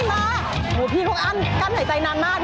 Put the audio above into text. หัวพี่ก็กั้นหายใจนานมาก